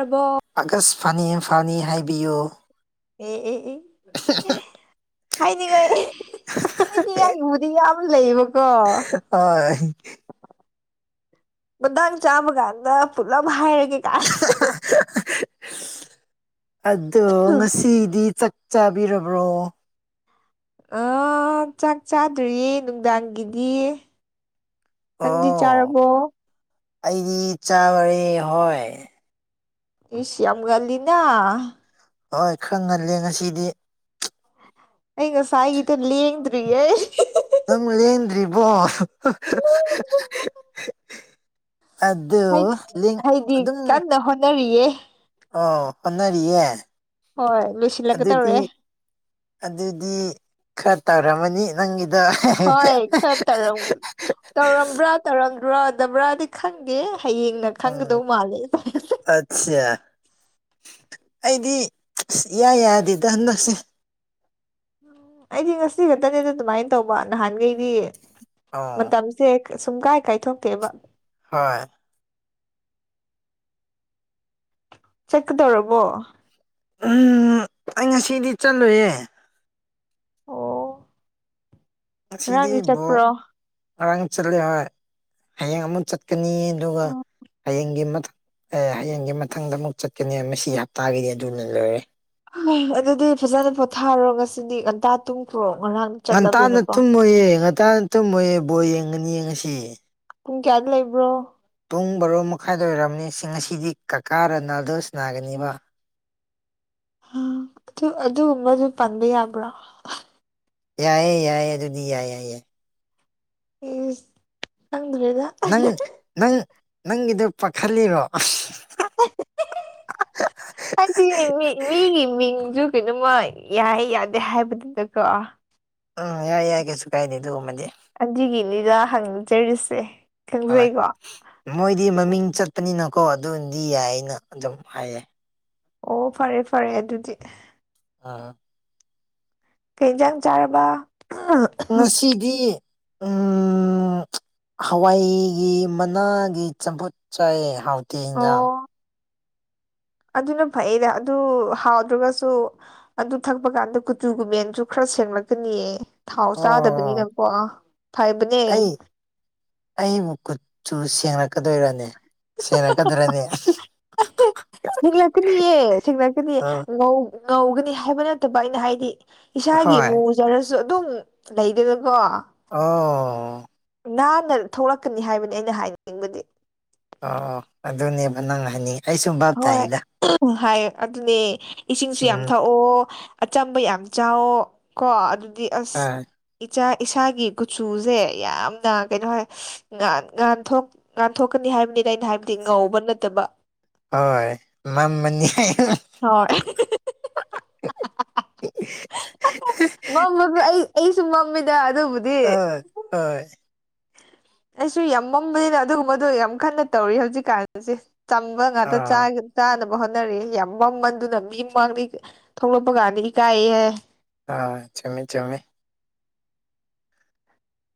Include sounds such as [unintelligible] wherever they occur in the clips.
ꯑꯕꯣ ꯑꯒꯁ ꯐꯅꯤ ꯐꯅꯤ ꯍꯥꯏꯕꯤꯌꯨ ꯎꯝ ꯎꯝ ꯎꯝ [unintelligible] ꯍꯥꯏꯅꯤꯡꯉꯥꯏ ꯍꯥꯏꯗꯤ ꯑꯩ ꯎꯗꯤ ꯌꯥꯝ ꯂꯩꯌꯦꯕ ꯍꫭꯏ ꯃꯗꯥ ꯆꯥꯃ ꯀꯥꯟꯗ ꯐꯨꯂꯝ ꯍꯥꯏ ꯀ ꯀꯥꯏ ꯑꯗꯣ ꯉꯁꯤꯗꯤ ꯆꯥꯕꯤꯔꯕ꯭ꯔꯣ ꯑꯥ ꯆꯥꯛ ꯆꯥꯗ꯭ꯔꯤꯌꯦ ꯅꯨꯡꯗꯥꯡꯒꯤꯗꯤ ꯇꯪꯗꯤ ꯑꯣ ꯆꯥꯔꯕꯣ ꯑꯩꯗꯤ ꯆꯥꯕꯦ ꯍꯣꯏ ꯏꯁꯤꯌꯥꯝꯒꯜꯂꯤꯅ ꯍꯣꯏ ꯈꯔ ꯉꯜꯂꯦ ꯉꯁꯤꯗꯤ ꯑꯩꯒ ꯁꯥꯏꯗ ꯂꯤ ꯌꯦꯡꯗ꯭ꯔꯤꯦ ꯅꯝꯜ ꯂꯦꯡꯗꯔꯤꯕꫭ ꯑꯗꯨ ꯍꯥꯏꯗꯤ ꯑꯗꯨꯝ ꯀꯟꯅ ꯍꯣꯠꯅꯔꯤꯌꯦ ꯑꯣ ꯍꯅꯔꯤꯌꯦ ꯍꯣꯏ ꯑꯗꯨꯗꯤ ꯂꯣꯏꯁꯤꯜꯂꯛꯀꯗꯧꯔꯦ ꯑꯗꯨꯗꯤ ꯈꯔ ꯇꯧꯔꯝꯃꯅꯤ ꯅꯪ ꯍꯣꯏ ꯈꯔ ꯇꯧꯔꯝ ꯇꯧꯔꯝꯕ꯭ꯔꯥ ꯇꯧꯔꯝꯗ꯭ꯔꯥꯕ꯭ꯔꯥꯗꯤ ꯈꯪꯗꯦ ꯍꯌꯦꯡꯅ ꯎꯝ ꯈꯪꯒꯗꯧ ꯃꯥꯜꯂꯦꯁꯦ ꯑꯠꯆꯥ ꯑꯩꯗꯤ ꯏ ꯌꯥꯗꯦꯗ ꯍꯟꯗꯛꯁꯦ ꯎꯝ ꯑꯩꯗꯤ ꯉꯁꯤ ꯈꯛꯇꯅꯦꯗ ꯑꯗꯨꯃꯥꯏꯅ ꯇꯧꯕ ꯅꯍꯥꯟꯈꯩꯗꯤ ꯑꯣ ꯃꯇꯝꯁꯦ ꯁꯨꯝ ꯀꯥꯏ ꯀꯥꯏꯊꯣꯛꯇꯦꯕ ꯍꯣꯏ ꯆꯀ ꯇꯧꯔꯕꯔꯕꯣ ꯎꯝ ꯑꯩ ꯉꯁꯤꯗꯤ ꯆꯠꯂꯨꯌꯦꯦ ꯑꯣ ꯉꯁꯤꯗꯤ ꯉꯥꯔꯥꯡꯗꯤ ꯕꯣ ꯆꯠꯄ꯭ꯔꯣ ꯉꯔꯥꯡ ꯆꯠꯂꯦ ꯍꯣꯏ ꯍꯌꯦꯡ ꯑꯃꯨꯛ ꯆꯠꯀꯅꯤ ꯑꯗꯨꯒ ꯑꯣ ꯍꯌꯦꯡꯒꯤ ꯑꯦ ꯍꯌꯦꯡꯒꯤ ꯃꯊꯪꯗ ꯑꯃꯨꯛ ꯆꯠꯀꯅꯤ ꯃꯁꯤ ꯍꯞꯇꯥꯒꯤꯗꯤ ꯑꯗꯨꯅ ꯂꯣꯏꯔꯦ ꯑꯗꯨꯗꯤ ꯐꯖꯅ ꯄꯣꯊꯥꯔꯣ ꯉꯁꯤꯗꯤ ꯉꯟꯇꯥ ꯇꯨꯝꯈ꯭ꯔꯣ ꯉꯔꯥꯡ ꯉꯟꯇꯥꯅ ꯆꯠꯂꯕꯅꯤꯅꯀꯣ ꯇꯨꯝꯃꯣꯏꯌꯦ ꯉꯟꯇꯥꯅ ꯇꯨꯝꯃꯣꯏꯌꯦ ꯕꯣ ꯌꯦꯡꯒꯅꯤ ꯌꯦꯡ ꯉꯁꯤ ꯄꯨꯡ ꯀꯌꯥꯗ ꯂꯩꯕ꯭ꯔꯣ ꯄꯨꯡ ꯕꯔꯣ ꯃꯈꯥꯏꯗ ꯑꯣꯏꯔꯝꯅꯤ ꯁꯤ ꯉꯁꯤꯗꯤ ꯀꯀꯥꯔ ꯅꯥꯗꯜꯁ ꯅꯥꯒꯅꯤꯕ ꯑꯗꯨ ꯑꯗꯨꯒꯨꯝꯕꯗꯨ ꯄꯟꯕ ꯌꯥꯕ꯭ꯔꯥ ꯌꯥꯏꯑꯌꯦ ꯌꯥꯏꯑꯌꯦ ꯑꯗꯨꯗꯤ ꯌꯥꯏ ꯌꯥꯏ ꯌꯥꯏ ꯎ ꯅꯪ ꯅꯪ ꯅꯪꯒꯤꯗꯨ ꯄꯥꯈꯜꯂꯤꯔꯣ ꯑꯗꯤ ꯃꯤ ꯃꯤꯒꯤ ꯃꯤ ꯀꯩꯅꯣꯃ ꯌꯥꯏ ꯌꯥꯗꯦ ꯍꯥꯏꯕꯗꯨꯗꯀꯣ ꯎꯝ ꯌꯥ ꯌꯥ ꯀꯦꯁꯨꯨ ꯀꯥꯏꯗ ꯑꯗꯨ ꯃꯦ ꯑꯟꯖꯤꯒꯤꯅꯤꯗ ꯍꯪꯖꯔꯤꯁꯦ ꯍꯣꯏ ꯈꯪꯖꯩꯀꯣ ꯃꯣꯏꯗꯤ ꯃꯃꯤꯡ ꯆꯠꯄꯅꯤꯅ ꯀꯣ ꯑꯗꯨꯗꯤ ꯌꯥꯏ ꯑꯅ ꯑꯗꯨꯝ ꯍꯥꯏꯌꯦ ꯑꯣ ꯐꯔꯦ ꯐꯔꯦ ꯑꯗꯨꯗꯤ ꯑꯥ꯫ ꯀꯩ ꯍꯤꯟꯖꯥꯡ ꯆꯥꯔꯕꯥ꯫ ꯉꯁꯤꯗꯤ ꯎꯝ ꯍꯋꯥꯏꯒꯤ ꯃꯅꯥꯒꯤ ꯆꯝꯐꯨꯠ ꯆꯥꯏ ꯍꯥꯎꯇꯦ ꯍꯤꯟꯖꯥꯡ꯫ ꯑꯣ ꯑꯗꯨꯅ ꯐꯩꯗ ꯑꯗꯨ ꯍꯥꯎꯗ꯭ꯔꯒꯁꯨ ꯑꯗꯨ ꯊꯛꯄ ꯀꯥꯟꯗ ꯀꯨꯆꯨꯒꯨꯃꯦꯟꯁꯨ ꯈꯔ ꯁꯦꯡꯂꯛꯇꯅꯤꯌꯦ꯫ ꯊꯥꯎ ꯑꯣ ꯆꯥꯗꯕꯅꯤꯅꯀꯣ ꯐꯩꯕꯅꯦ꯫ ꯑꯩ ꯇꯨ ꯁꯦꯡꯔꯛꯀꯗꯣꯏꯔꯅꯤ ꯁꯦꯡꯔꯛꯀꯗ꯭ꯔꯅꯦ꯫ ꯁꯦꯡꯂꯛꯀꯅꯤꯌꯦ ꯁꯦꯡꯂꯛꯀꯅꯤ ꯑꯥ ꯉꯧ ꯉꯧꯒꯅꯤ ꯍꯥꯏꯕ ꯅꯠꯇꯕ ꯑꯩꯅ ꯍꯥꯏꯗꯤ ꯏꯁꯥꯒꯤ ꯍꯣꯏ ꯃꯨꯖꯔ ꯁꯨ ꯑꯗꯨꯝ ꯂꯩꯗꯅꯀꯣ ꯑꯣ꯫ ꯅꯥꯟꯅ ꯊꯣꯛꯂꯛꯀꯅꯤ ꯍꯥꯏꯕꯅꯦ ꯑꯩꯅ ꯍꯥꯏꯅꯤꯡꯕꯗꯤ꯫ ꯑꯣ ꯑꯣ ꯑꯗꯨꯅꯦꯕ ꯅꯪ ꯍꯥꯏꯅꯤꯡꯏ ꯍꯣꯏ ꯍꯥꯏ ꯑꯗꯨꯅꯦ ꯏꯁꯤꯡꯁꯨ ꯌꯥꯝ ꯎꯝ ꯊꯛꯑꯣ꯫ ꯑꯆꯝꯕ ꯌꯥꯝ ꯆꯥꯎꯋꯣ ꯀꯣ ꯑꯗꯨꯗꯤ ꯑꯁ ꯑꯥ ꯏꯆꯥ ꯏꯁꯥꯒꯤ ꯀꯨꯆꯨꯁꯦ ꯌꯥꯝꯅ ꯀꯩꯅꯣ ꯍꯥꯏ ꯉꯥꯟ ꯉꯥꯟꯊꫭꯛ ꯉꯥꯟꯊꯣꯛꯀꯅꯤ ꯍꯥꯏꯕꯅꯤ꯫ ꯏꯗ ꯑꯩꯅ ꯍꯥꯏꯕꯗꯤ ꯉꯧꯕ ꯅꯠꯇꯕ꯫ ꯍꯣꯏ ꯃꯝꯑꯅꯤ꯫ ꯍꯣꯏ꯫ ꯑꯍ ꯃꯝꯕꯗꯤ ꯑꯩ ꯑꯩꯁꯨ ꯃꯝꯃꯤꯗ꯫ ꯑꯗꯨꯕꯨꯗꯤ ꯑ ꯍꫭꯏ꯫ ꯑꯩꯁꯨ ꯌꯥꯝ ꯃꯝꯕꯅꯤꯅ ꯑꯗꯨꯒꯨꯝꯕꯗꯣ ꯌꯥꯝ ꯀꯟꯅ ꯇꯧꯔꯤ ꯍꯧꯖꯤꯛꯀꯥꯟꯁꯤ꯫ ꯆꯝꯕꯉꯥꯇ ꯑꯥ ꯆꯥꯒꯤ ꯆꯥꯅ ꯕ ꯍꯣꯠꯅꯔꯤ ꯌꯥꯝ ꯃꯃꯟꯗꯨꯅ ꯃꯤꯃꯥꯡꯗꯤ ꯊꯣꯛꯂꯛꯄ ꯀꯥꯟꯗ ꯏꯀꯥꯏꯍꯦ꯫ ꯑꯥ ꯆꯨꯝꯃꯤ-ꯆꯨꯝꯃꯤ꯫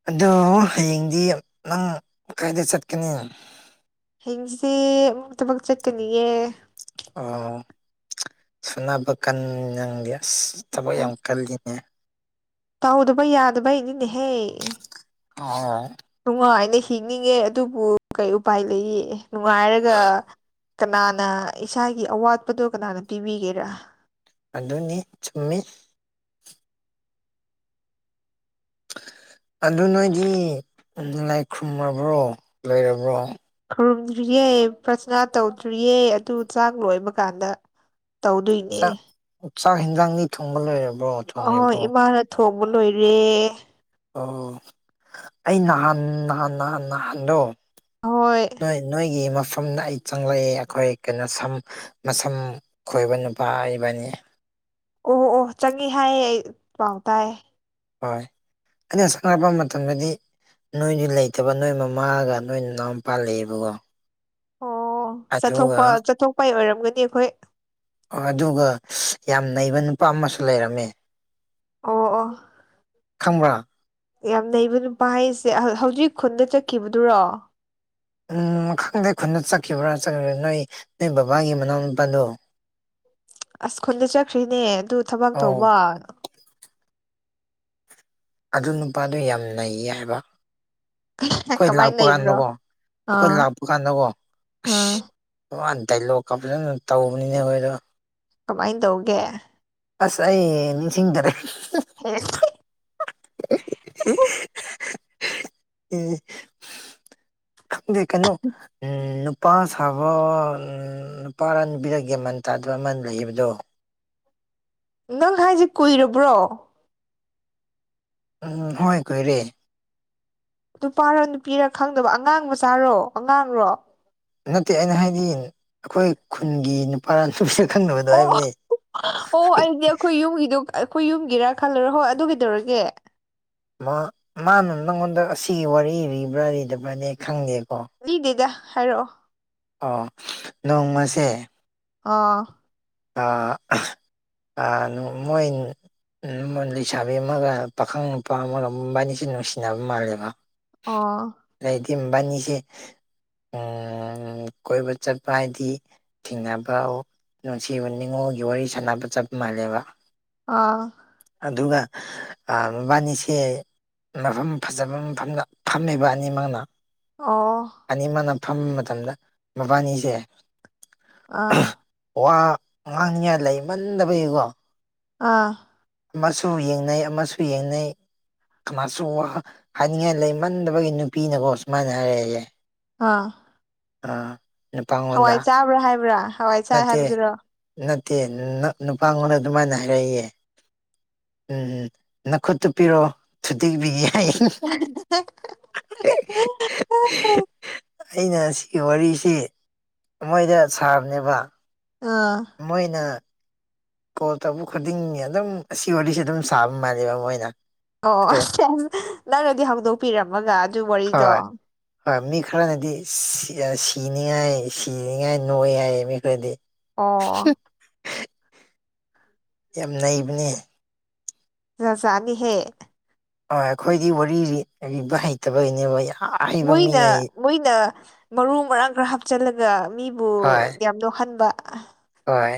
ꯑꯗꯨ ꯍꯌꯦꯡꯗꯤ ꯅꯪ ꯀꯥꯏꯗ ꯆꯠꯀꯅꯤ꯫ ꯍꯤꯡꯁꯤ ꯑꯃꯨꯛ ꯊꯕꯛ ꯆꯠꯀꯅꯤꯌꯦ꯫ ꯑꯣ ꯁꯨꯅꯕ ꯀꯟ ꯅꯪꯗꯤ ꯑꯁ ꯊꯕꯛ ꯑ ꯌꯥꯝ ꯀꯜꯂꯤꯅꯦ꯫ ꯇꯧꯗꯕ ꯌꯥꯗꯕꯩꯅꯤꯅꯦꯍꯦ꯫ ꯑꫭ꯫ ꯅꯨꯡꯉꯥꯏꯅ ꯍꯤꯡꯅꯤꯡꯉꯦ ꯑꯗꯨꯕꯨ ꯀꯩ ꯎꯄꯥꯏ ꯂꯩꯌꯦ ꯅꯨꯡꯉꯥꯏꯔꯒ ꯀꯅꯥꯅ ꯏꯁꯥꯒꯤ ꯑꯋꯥꯠꯄꯗꯣ ꯀꯅꯥꯅ ꯄꯤꯕꯤꯒꯦꯔꯥ꯫ ꯑꯗꯨꯅꯤ ꯆꯨꯝꯃꯤ꯫ ꯑꯗꯨ ꯅꯣꯏꯗꯤ ꯂꯥꯏ ꯈꯨ꯭ꯔꯨꯝꯔꯕ꯭ꯔꯣ ꯂꯣꯏꯔꯕ꯭ꯔꯣ꯫ ꯈꯨꯔꯨꯝꯗ꯭ꯔꯤꯌꯦ ꯄ꯭ꯔꯁꯅꯥ ꯇꯧꯗ꯭ꯔꯤꯌꯦ ꯑꯗꯨ ꯆꯥꯡ ꯂꯣꯏꯕ ꯀꯥꯟꯗ ꯇꯧꯗꯣꯏꯅꯦ꯫ ꯆꯥꯛ ꯆꯥꯛ ꯍꯤꯟꯖꯥꯡꯗꯤ ꯊꯣꯡꯕ ꯂꫭꯏꯔꯝ ꯑꫭ ꯍꫭꯏ ꯏꯃꯥꯅ ꯊꯣꯡꯕ ꯂꯣꯏꯔꯦ꯫ ꯑꯣ ꯑꯩ ꯅꯍꯥꯟ ꯅꯍꯥꯟ-ꯅꯍꯥꯟ ꯅꯍꯥꯟꯗꯣ ꯑꯍꯣꯏ ꯅꯣꯏ ꯅꯣꯏꯒꯤꯃ ꯃꯐꯝꯅ ꯑꯩ ꯆꯪꯂꯛꯑꯦ ꯑꯈꯣꯏ ꯀꯩꯅꯣ ꯁꯝ ꯃꯁꯝ ꯈꯣꯏꯕ ꯅꯨꯄꯥ ꯑꯣꯏꯕꯅꯤ꯫ ꯑꯣꯍ ꯑꯣ ꯆꯪꯉꯦ ꯍꯥꯏꯌꯦ ꯑꯩ ꯄꯥꯎ ꯇꯥꯏꯌꯦ꯫ ꯍꯣꯏ ꯑꯩꯅ ꯆꯪꯉꯛꯄ ꯃꯇꯝꯗꯗꯤ ꯅꯣꯏꯗꯤ ꯂꯩꯇꯕ ꯅꯣꯏ ꯃꯃꯥꯑꯒ ꯅꯣꯏ ꯅꯅꯥꯎꯅꯨꯄꯥ ꯂꯩꯑꫭꯕꯀꯣ꯫ ꯑꯣ ꯆꯠꯊꯣꯛꯄ ꯆꯠꯊꯣꯛꯄꯒꯤ ꯑꯣꯏꯔꯝꯒꯅꯤ ꯑꯩꯈꯣꯏ꯫ ꯑꯗꯨꯒ ꯌꯥꯝ ꯅꯩꯕ ꯅꯨꯄꯥ ꯑꯃꯁꯨ ꯂꯩꯔꯝꯃꯦ꯫ ꯑꯣ ꯑꯣ꯫ ꯈꯪꯕ꯭ꯔꫭ꯫ ꯌꯥꯝ ꯅꯩꯕ ꯅꯨꯄꯥ ꯍꯥꯏꯁꯦ ꯍꯧꯖꯤꯛ ꯈꯨꯟꯗ ꯆꯠꯈꯤꯕꯗꯨꯔꯣ꯫ ꯎꯝ ꯈꯪꯗꯦ ꯈꯨꯟꯗ ꯆꯠꯈꯤꯕ꯭ꯔꯥ꯭ꯔ ꯅꯣꯏ ꯅꯣꯏ ꯕꯕꯥꯒꯤ ꯃꯅꯥꯎ ꯅꯨꯄꯥꯗꯣ ꯑꯁ ꯈꯨꯟꯗ ꯆꯠꯈ꯭ꯔꯤꯅꯦ ꯑꯗꯨ ꯊꯕꯛ ꯑꯧ ꯇꯧꯕ ꯑꯗꯨ ꯅꯨꯄꯥꯗꯣ ꯌꯥꯝ ꯅꯩ ꯍꯥꯏꯕ ꯑꯩꯈꯣꯏ ꯀꯃꯥꯏꯅ ꯂꯥꯛꯄ ꯂꯩꯕ꯭ꯔꯣ ꯀꯥꯟꯗꯀꯣ ꯑꯩꯈꯣꯏ ꯑꯥ ꯂꯥꯛꯄ ꯀꯥꯟꯗꯀꯣ ꯑꯥ ꯑꯁ ꯃ ꯗꯥꯏꯂꯣꯛꯀ ꯐꯖꯅ ꯇꯧꯕꯅꯤꯅꯦ ꯃꯈꯣꯏꯗꯣ ꯀꯃꯥꯏꯅ ꯇꯧꯒꯦ ꯑꯁ ꯑꯩ ꯅꯤꯡꯁꯤꯡꯗꯔꯦ ꯍꯦ [unintelligible] ꯎꯝ ꯗꯤ ꯀꯩꯅꯣ ꯎꯝ ꯅꯨꯄꯥ ꯁꯥꯕ ꯅꯨꯄꯥꯔ ꯅꯨꯄꯤꯔ ꯒꯤꯌꯟ ꯃꯦꯟ ꯇꯥꯗꯕ ꯑꯃ ꯂꯩꯕꯗꯣ ꯅꯪ ꯍꯥꯏꯁꯦ ꯀꯨꯏꯔꯕ꯭ꯔꯣ ꯎꯝ ꯍꯣꯏ ꯀꯣꯏꯔꯦ ꯅꯨꯄꯥꯔ ꯅꯨꯄꯤꯔ ꯈꯪꯗꯕ ꯑꯉꯥꯡ ꯃꯆꯥꯔꯣ ꯑꯉꯥꯡꯔꯣ ꯅꯠꯇꯦ ꯑꯩꯅ ꯍꯥꯏꯗꯤ ꯑꯩꯈꯣꯏ ꯈꯨꯟꯒꯤ ꯅꯨꯄꯥꯔ ꯅꯨꯄꯤꯔ ꯈꯪꯡꯗꯕꯗꯣ ꯑꯣ ꯍꯥꯏꯕꯅꯤ ꯑꯣ ꯑꯩꯗꯤ ꯑꯩꯈꯣꯏ ꯌꯨꯝꯒꯤꯗꯣ ꯑꯩꯈꯣꯏ ꯌꯨꯝꯒꯤꯔꯥ ꯈꯜꯂꯨꯔ ꯍꯣꯏ ꯑꯗꯨ ꯀꯩꯗꯧꯔꯒꯦ ꯃꯥ ꯃꯥꯅ ꯅꯪꯉꯣꯟꯗ ꯑꯁꯤꯒꯤ ꯋꯥꯔꯤꯔꯤꯕ꯭ꯔꯥ ꯔꯤꯗꯕ꯭ꯔꯥꯗꯤ ꯈꯪꯗꯦꯕ ꯔꯤꯗꯦꯗ ꯍꯥꯏꯔꯛꯑꯣ ꯑꯣ ꯅꯣꯡꯃꯁꯦ ꯑꯣ ꯑꯥ ꯑꯥ ꯃꯣꯏ ꯂꯩꯁꯥꯕꯤ ꯑꯃꯒ ꯄꯥꯈꯪ ꯅꯨꯄꯥ ꯑꯃꯒ ꯃꯕꯥꯅꯤꯁꯤ ꯅꯨꯡꯁꯤꯅꯕ ꯃꯥꯜꯂꯦꯕ ꯑꯣ ꯏꯃꯕꯅꯤꯁꯦ ꯀꯣꯏꯕ ꯆꯠꯄ ꯍꯥꯏꯗꯤ ꯊꯦꯡꯅꯕ ꯅꯨꯡꯁꯤꯕ ꯅꯤꯉꯣꯜꯒꯤ ꯋꯥꯔꯤ ꯁꯥꯟꯅꯕ ꯆꯞ ꯃꯥꯜꯂꯦꯕ ꯑ ꯑꯗꯨꯒ ꯃꯕꯥꯅꯤꯁꯦ ꯃꯐꯝ ꯐꯖꯕꯐꯝ ꯐꯝꯃꯦꯕ ꯑꯅꯤꯃꯛꯅ ꯑꯥ ꯑꯅꯤꯃꯛꯅ ꯐꯝꯕ ꯃꯇꯝꯗ ꯃꯕꯥꯅꯤꯖꯦ ꯑꯥ ꯋꯥ ꯉꯥꯡꯅꯤꯉꯥꯏ ꯂꯩꯃꯟꯗꯕꯒꯤꯀꯣ ꯑꯥ ꯑꯃꯁꯨ ꯌꯦꯡꯅꯩ ꯑꯃꯁꯨ ꯌꯦꯡꯅꯩ ꯀꯅꯥꯁꯨ ꯋꯥ ꯍꯥꯏꯅꯤꯡꯉꯥꯏ ꯂꯩꯃꯟꯗꯕꯒꯤ ꯅꯨꯄꯤꯅꯀꯣ ꯁꯨꯃꯥꯏꯅ ꯍꯥꯏꯔꯦꯌꯦ ꯑꯥ ꯑꯥ ꯅꯨꯄꯥꯉꯣꯟꯗ ꯍꯋꯥꯏ ꯆꯥꯕ꯭ꯔꯥ ꯍꯥꯏꯕ꯭ꯔꯥ ꯍꯋꯥꯏ ꯆꯥ ꯅꯠꯇꯦ ꯍꯥꯏꯕꯗꯨꯔꯣ ꯅꯠꯇꯦ ꯅꯨꯄꯥꯉꯣꯟꯗ ꯑꯗꯨꯃꯥꯏꯅ ꯍꯥꯏꯔꯛꯑꯦꯌꯦ ꯎꯝ ꯎꯝ ꯅꯈꯨꯠꯇꯨꯞꯄꯤꯔꯣ ꯊꯨꯇꯦꯛꯕꯤꯒꯦ [unintelligible] ꯑꯩꯅ ꯁꯤ ꯋꯥꯔꯤꯁꯤ ꯃꯣꯏꯗ ꯁꯥꯕꯅꯦꯕ ꯑꯥ ꯃꯣꯏꯅ ꯀꯣ ꯇꯧꯕ ꯈꯨꯗꯤꯡꯒꯤ ꯑꯗꯨꯝ ꯁꯤ ꯋꯥꯔꯤꯁꯦ ꯑꯗꯨꯝ ꯁꯥꯕ ꯃꯥꯜꯂꯦꯕ ꯃꯣꯏꯅ ꯑꯣ ꯑꯗꯨ ꯑ ꯅꯪꯅꯗꯤ ꯍꯧꯗꯣꯛꯄꯤꯔꯝꯃꯒ ꯑꯗꯨ ꯋꯥꯔꯤꯗꯣ ꯍꯣꯏ ꯍꯣꯏ ꯃꯤ ꯈꯔꯅꯗꯤ ꯁꯤꯅꯤꯉꯥꯏ ꯁꯤꯅꯤꯉꯥꯏ ꯅꯣꯏ ꯍꯥꯏꯌꯦ ꯃꯤ ꯈꯔꯗꯤ ꯑꯣ ꯌꯥꯝ ꯅꯩꯕꯅꯤ ꯖꯥꯖꯥꯠꯅꯤ ꯍꯦ ꯍꫭꯏ ꯑꯩꯈꯣꯏꯗꯤ ꯋꯥꯔꯤ ꯔꯤ ꯔꯤꯕ ꯍꯩꯇꯕꯒꯤꯅꯦꯕ ꯑꯍꯩꯕ ꯃꯨꯏꯅ ꯃꯤꯅ ꯃꯨꯏꯅ ꯃꯔꯨ ꯃꯔꯥꯡ ꯈꯔ ꯍꯥꯞꯆꯤꯜꯂꯒ ꯃꯤꯕꯨ ꯍꯣꯏ ꯌꯥꯝ ꯅꯣꯛꯍꯟꯕ ꯍꯣꯏ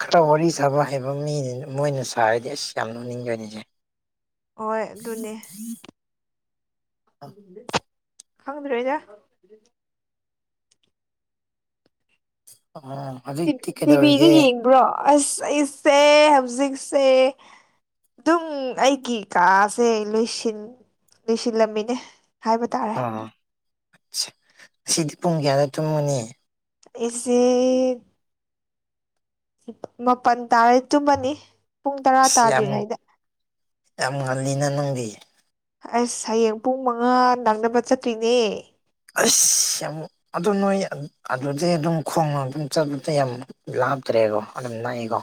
ꯈꯔ ꯋꯥꯔꯤ ꯁꯥꯕ ꯍꯩꯕ ꯃꯤꯅ ꯃꯣꯏꯅ ꯁꯥꯔꯗꯤ ꯑꯁ ꯌꯥꯝ ꯅꯣꯛꯅꯤꯡꯗꯣꯏꯅꯤꯁꯦ ꯍꯣꯏ ꯑꯗꯨꯅꯦ ꯈꯪꯗ꯭ꯔꯦꯗ ꯑꯣ ꯍꯧꯖꯤꯛꯇꯤ ꯇꯤꯚꯤꯒ ꯀꯩꯗꯧꯔꯤꯒꯦ ꯌꯦꯡꯕ꯭ꯔꯣ ꯑꯁ ꯑꯩꯁꯦ ꯍꯧꯖꯤꯛꯁꯦ ꯑꯗꯨꯝ ꯑꯩꯒꯤ ꯀꯥꯁꯦ ꯂꯣꯏꯁꯤꯟ ꯂꫭꯏꯁꯤꯟꯂꯝꯃꯤꯅꯦ ꯍꯥꯏꯕ ꯇꯥꯔꯦ ꯁꯤꯗꯤ ꯄꯨꯡ ꯀꯌꯥꯗ ꯆꯨꯝꯃꯅꯤ ꯑꯩꯁꯦ ꯃꯥꯄꯟ ꯇꯥꯔꯦ ꯆꯨꯝꯃꯅꯤ ꯄꯨꯡ ꯇꯔꯥ ꯑꯁ ꯌꯥꯝ ꯇꯥꯗ꯭ꯔꯤꯉꯩꯗ ꯌꯥꯝ ꯉꯜꯂꯤꯅ ꯅꯪꯗꯤ ꯑꯁ ꯍꯌꯦꯡ ꯄꯨꯡ ꯃꯉꯥ ꯅꯛꯅꯕ ꯆꯠꯇꯨꯏꯅꯦ ꯑꯁ ꯌꯥꯝ ꯑꯗꯨ ꯅꯣꯏ ꯑꯗꯨꯗꯩ ꯑꯗꯨꯝ ꯈꯣꯡꯅ ꯑꯗꯨꯝ ꯆꯠꯄꯗ ꯌꯥꯝ ꯂꯥꯞ ꯆ꯭ꯔꯦꯒꯣ ꯑꯗꯨꯝ ꯅꯛꯏꯀꯣ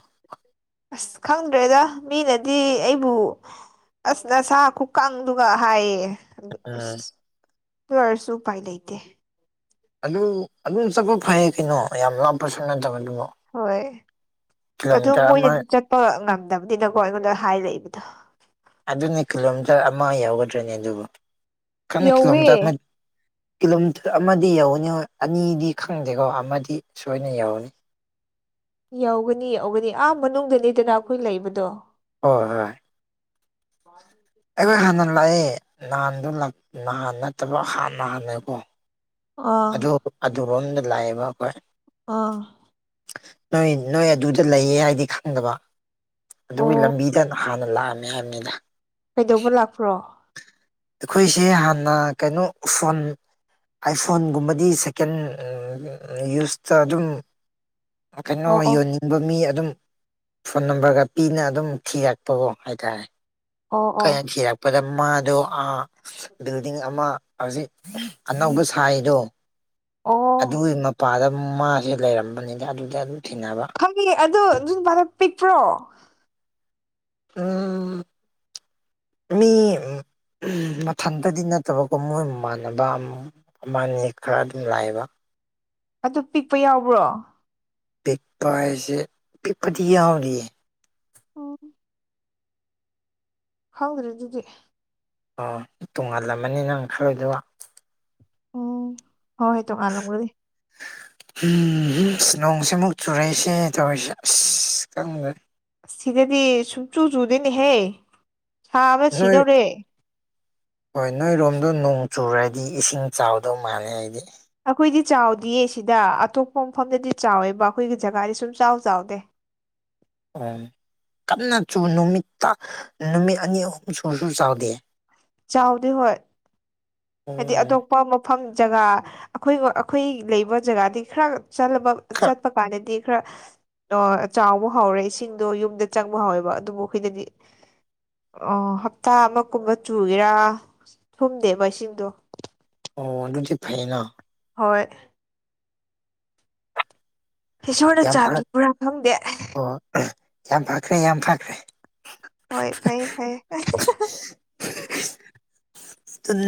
ꯑꯁ ꯈꯪꯗ꯭ꯔꯦꯗ ꯃꯤꯅꯗꯤ ꯑꯩꯕꯨ ꯑꯁ ꯅꯁꯥ ꯈꯨꯀꯪꯗꯨꯒ ꯍꯥꯏꯌꯦ ꯑꯗꯨ ꯎꯝ ꯑꯣꯏꯔꯁꯨ ꯎꯄꯥꯏ ꯂꯩꯇꯦ ꯑꯗꯨ ꯑꯗꯨꯝ ꯆꯛꯄ ꯐꯩꯌꯦ ꯀꯩꯅꯣ ꯌꯥꯝ ꯂꯥꯞꯄꯁꯨ ꯅꯠꯇꯕ ꯑꯗꯨꯕꯨ ꯍꯣꯏ ꯑꯗꯨ ꯀꯤꯂꯣꯃꯤꯇꯔ ꯑꯃ ꯃꯣꯏꯅꯗꯤ ꯆꯠꯄ ꯉꯝꯗꯕꯅꯤꯅꯀꯣ ꯑꯩꯉꯣꯟꯗ ꯍꯥꯏꯔꯛꯏꯕ [inaudible] ꯑꯗꯨꯅꯦ ꯀꯤꯂꯣꯃꯤꯇꫪ ꯑꯃ ꯌꯥꯎꯒꯗ꯭ꯔꯅꯦ ꯑꯗꯨꯕꯨ ꯈꯪꯅ ꯌꯧꯋꯦ ꯀꯤꯂꯣꯃꯤꯇꫪ ꯑꯃ ꯀꯤꯂꯣꯃꯤꯇꫪ ꯑꯃꯗꯤ ꯌꯧꯔꯅꯤ ꯍꯣꯏ ꯑꯅꯤꯗꯤ ꯈꯪꯗꯦꯀꯣ ꯑꯃꯗꯤ ꯁꯣꯏꯅ ꯌꯧꯔꯅꯤ ꯌꯧꯒꯅꯤ ꯌꯧꯒꯅꯤ ꯑꯥ ꯃꯅꯨꯡꯗꯅꯤꯗꯅ ꯑꯩꯈꯣꯏ ꯂꯩꯕꯗꯣ ꯍꯣꯏ ꯍꯣꯏ ꯑꯩꯈꯣꯏ ꯍꯥꯟꯅ ꯂꯥꯛꯑꯦ ꯅꯍꯥꯟꯗꯣ ꯅꯍꯥꯟ ꯅꯠꯇꯕ ꯍꯥꯟꯍꯥꯟꯅꯦꯀꯣ ꯑꯥ ꯑꯗꯨ ꯑꯗꯨꯔꯣꯝꯗ ꯂꯥꯛꯑꯦꯕ ꯑꯩꯈꯣꯏ ꯑꫭ ꯅꯣꯏ ꯅꯣꯏ ꯑꯗꯨꯗ ꯂꯩꯌꯦ ꯍꯥꯏꯗꯤ ꯈꯪꯗꯕ ꯑꯗꯨꯒꯤ ꯑꯣ ꯂꯝꯕꯤꯗ ꯍꯥꯟꯅ ꯂꯥꯛꯑꯃꯦ ꯍꯥꯏꯕꯅꯤꯅ ꯀꯩꯗꯧꯕ ꯂꯥꯛꯄ꯭ꯔꯣ ꯑꯩꯈꯣꯏꯁꯦ ꯍꯥꯟꯅ ꯀꯩꯅꯣ ꯐꯣꯟ ꯑꯥꯏꯐꯣꯟꯒꯨꯝꯕꯗꯤ ꯁꯦꯀꯦꯟ ꯌꯨꯁꯇ ꯑꯗꯨꯝ ꯀꯩꯅꯣ ꯑꯣ ꯑꯣ ꯌꯣꯟꯅꯤꯡꯕ ꯃꯤ ꯑꯗꯨꯝ ꯐꯣꯟ ꯅꯝꯕꫪꯒ ꯄꯤꯅ ꯑꯗꯨꯝ ꯊꯤꯔꯛꯄꯒꯣ ꯍꯥꯏꯇꯥꯔꯦ ꯑꯣ ꯑꯣ ꯈꫭꯏꯅ ꯊꯤꯔꯛꯄꯗ ꯃꯥꯗꯣ ꯕꯤꯜꯗꯤꯡ ꯑꯃ ꯍꯧꯖꯤꯛ ꯑꯅꯧꯕ ꯁꯥꯏꯗꯣ ꯑꯣ ꯑꯗꯨꯒꯤ ꯃꯄꯥꯗ ꯃꯥꯁꯦ ꯂꯩꯔꯝꯕꯅꯤꯗ ꯑꯗꯨꯗ ꯊꯦꯡꯅꯕ ꯈꯪꯉꯦ ꯑꯗꯣ ꯑꯗꯨ ꯅꯨꯄꯥꯗ ꯄꯤꯛꯄ꯭ꯔꯣ ꯎꯝ ꯃꯤ ꯎꯝ ꯃꯊꯟꯇꯗꯤ ꯅꯠꯇꯕꯀꯣ ꯃꯣꯏꯃꯥꯟꯅꯕ ꯑꯃꯅꯤ ꯈꯔ ꯑꯗꯨꯝ ꯂꯥꯛꯑꯦꯕ ꯑꯗꯨ ꯄꯤꯛꯄ ꯌꯥꯎꯕ꯭ꯔꯣ ꯄꯤꯛꯄ ꯍꯥꯏꯁꯦ ꯄꯤꯛꯄꯗꯤ ꯌꯥꯎꯗꯤꯌꯦ ꯑꯣ ꯈꯪꯗ꯭ꯔꯦ ꯑꯗꯨꯤꯗꯤ ꯑꯣ ꯇꯣꯡꯉꯍꯜꯂꯝꯃꯅꯤ ꯅꯪ ꯈꯜꯂꯨꯏꯗꯨꯒ ꯎꯝ ꯍꫭꯏ ꯇꯣꯉꯥꯜꯂꯝꯒꯗꯤ ꯎꯝ ꯑꯁ ꯅꯣꯡꯁꯤꯃꯨꯛ ꯆꯨꯔꯛꯏꯁꯦ ꯇꯧꯔꯤꯁꯦ ꯑꯁ ꯈꯪꯗ ꯁꯤꯗꯗꯤ ꯁꯨꯡꯆꯨ ꯆꯨꯗꯣꯏꯅꯦꯍꯦ ꯁꯥꯕ ꯅꯣꯏ ꯁꯤꯗꯧꯔꯦ ꯍꯣꯏ ꯅꯣꯏꯔꯣꯝꯗꯣ ꯅꯣꯡ ꯆꯨꯔꯗꯤ ꯏꯁꯤꯡ ꯆꯥꯎꯗꯧ ꯃꯥꯜꯂꯦ ꯍꯥꯏꯗꯤ ꯑꯩꯈꯣꯏꯗꯤ ꯆꯥꯎꯗꯤꯌꯦ ꯁꯤꯗ ꯑꯇꯣꯞꯄ ꯃꯐꯝꯗꯗꯤ ꯆꯥꯎꯋꯦꯕ ꯑꯩꯈꯣꯏꯒꯤ ꯖꯒꯥꯗꯤ ꯁꯨꯝ ꯆꯥꯎ ꯆꯥꯎꯗꯦ [inaudible] ꯎꯝ ꯀꯟꯅ ꯅꯨꯃꯤꯠꯇ ꯅꯨꯃꯤꯠ ꯑꯅꯤ ꯑꯍꯨꯝ ꯁꯨꯁꯨ ꯆꯥꯎꯗꯦ ꯆꯥꯎꯗꯤ ꯍꯣꯏ ꯍꯥꯏꯗꯤ ꯎꯝ ꯑꯇꯣꯞꯄ ꯃꯐꯝ ꯖꯒꯥ ꯑꯩꯈꯣꯏ ꯑꯩꯈꯣꯏ ꯂꯩꯕ ꯖꯒꯥꯗꯤ ꯈꯔ ꯆꯠꯄ ꯈꯔ ꯆꯠꯄ ꯄꯀꯥꯟꯅꯦꯗꯤ ꯈꯔ ꯆꯥꯎꯕ ꯍꯧꯥꯎꯔꯦ ꯏꯁꯤꯡꯗꯣ ꯌꯨꯝꯗ ꯆꯪꯕ ꯍꯥꯎꯋꯦꯕ ꯑꯗꯨꯕꯨ ꯑꯩꯈꯣꯏꯅꯗꯤ ꯑꯣ ꯍꯞꯇꯥ ꯑꯃ ꯀꯨꯝꯕ ꯆꯨꯒꯦꯔꯥ ꯊꯨꯝꯗꯦꯕ ꯏꯁꯤꯡꯗꯣ ꯑꯣ ꯑꯗꯨꯗꯤ ꯐꯌꯦꯅ ꯍꯣꯏ ꯏꯁꯣꯔꯅ ꯌꯥꯝ ꯐꯔ ꯆꯥꯟꯕꯤꯕ꯭ꯔꯥ ꯈꯪꯗꯦ ꯑꯣ ꯌꯥꯝ ꯐꯈ꯭ꯔꯦ ꯌꯥꯝ ꯐꯈ꯭ꯔꯦ ꯍꯣꯏ ꯐꯩꯌꯦ ꯐꯩꯌꯦ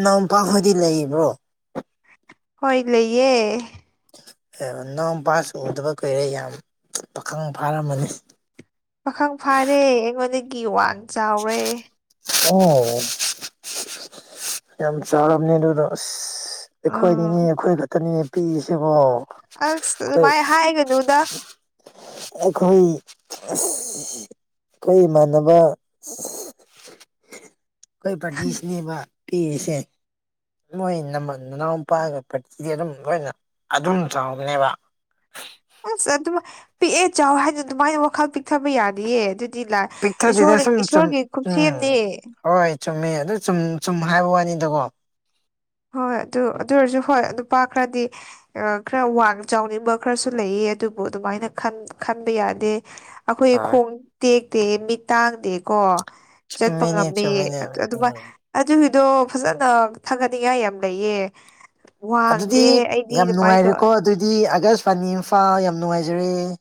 ꯅꯄꯥꯛꯈꯗꯤ ꯂꯩꯕ꯭ꯔꯣ ꯍꯣꯏ ꯂꯩꯌꯦ ꯑꯦ ꯅꯣꯡꯄꯥꯁꯨ ꯎꯗꯕ ꯀꯨꯏꯔꯦ ꯌꯥꯝ ꯄꯥꯈꯪ ꯐꯥꯔꯝꯃꯅꯤ ꯄꯥꯈꯪ ꯐꯥꯔꯦ ꯑꯩꯉꯣꯟꯗꯒꯤ ꯋꯥꯡ ꯆꯥꯎꯔꯦ ꯑꯣ ꯌꯥꯝ ꯆꯥꯎꯔꯕꯅꯦ ꯑꯗꯨꯗꯣ ꯑꯁ ꯑꯥ ꯑꯩꯈꯣꯏꯅꯤꯅꯦ ꯑꯩꯈꯣꯏ ꯈꯛꯇꯅꯤꯅꯦ ꯄꯤꯛꯏꯁꯤꯕꯣ ꯑꯁ ꯑꯩꯈꯣꯏ ꯑꯗꯨꯃꯥꯏ ꯍꯥꯏꯒꯅꯨꯗ ꯑꯩꯈꯣꯏ ꯑꯩꯈꯣꯏ ꯏꯃꯥꯟꯅꯕ [inaudible] ꯀꯩ ꯄꯗꯤꯁꯅꯦꯕ ꯄꯤꯁꯦ ꯃꯣꯏ ꯅꯃ ꯅꯅꯥꯎꯄꯥꯒ ꯄꯠꯁꯤꯗꯤ ꯑꯗꯨꯝ ꯂꯣꯏꯅ ꯑꯗꯨꯝ ꯆꯥꯎꯕꯅꯦꯕ ꯑꯁ ꯑꯗꯨꯝ ꯄꯤꯛꯑꯦ ꯆꯥꯎ ꯍꯥꯏꯅ ꯑꯗꯨꯃꯥꯏꯅ ꯋꯥꯈꯜ ꯄꯤꯛꯊꯕ ꯌꯥꯅꯤꯌꯦ ꯑꯗꯨꯗꯤ ꯂꯥꯛ ꯄꯤꯛꯊꯗꯤꯗ ꯏꯁꯣꯔ ꯁꯨꯝ ꯁꯨꯝ ꯏꯁꯣꯔꯒꯤ ꯈꯨꯨꯞ ꯁꯦꯝꯅꯦ ꯎꯝ ꯍꯣꯏ ꯆꯨꯝꯃꯦ ꯑꯗꯨ ꯆꯨꯝ ꯆꯨꯝ ꯍꯥꯏꯕ ꯋꯥꯅꯤꯗꯀꯣ ꯍꯣꯏ ꯑꯗꯨ ꯑꯗꯨ ꯑꯣꯏꯔꯁꯨ ꯍꯣꯏ ꯅꯨꯄꯥ ꯈꯔꯗꯤ ꯈꯔ ꯋꯥꯡ ꯆꯥꯎꯅꯤꯡꯕ ꯈꯔꯁꯨ ꯂꯩꯌꯦ ꯑꯗꯨꯕꯨ ꯑꯗꯨꯝ ꯑꯗꯨꯃꯥꯏꯅ ꯈꯟꯕ ꯌꯥꯗꯦ ꯑꯩꯈꯣꯏ ꯍꯣꯏ ꯈꯣꯡ ꯇꯦꯛꯇꯦ ꯃꯤꯠ ꯇꯥꯡꯗꯦꯀꯣ ꯆꯠꯄ ꯆꯨꯝꯃꯤꯅꯦ ꯉꯝꯃꯦ ꯆꯨꯝꯃꯤꯅꯦ ꯑꯗꯨꯃ ꯎꯝ ꯑꯗꯨꯒꯤ ꯑꯗꯣ ꯐꯖꯅ ꯊꯥꯒꯠꯅꯤꯡꯉꯥꯏ ꯌꯥꯝ ꯂꯩꯌꯦ ꯑꯗꯨꯗꯤ ꯋꯥꯗꯦ ꯑꯩꯗꯤ ꯌꯥꯝ ꯑꯗꯨꯃꯥꯏꯅ ꯇꯧ ꯅꯨꯡꯉꯥꯏꯔꯦꯀꯣ ꯑꯗꯨꯏꯗꯤ ꯑꯒꯁꯋꯥꯅꯤ ꯏꯝꯐꯥꯜ ꯌꯥꯝ ꯅꯨꯡꯉꯥꯏꯖꯔꯦ [inaudible]